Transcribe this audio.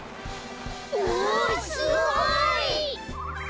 おおすごい！